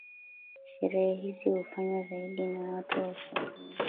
Sherehe hizi hufanywa zaidi na watu wa uswahilini